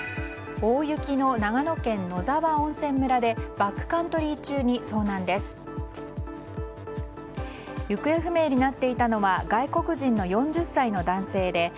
大雪の長野県野沢温泉村でバックカントリー中に遭難です。